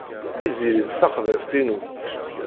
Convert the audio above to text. Tiziri d taxḍibt-inu.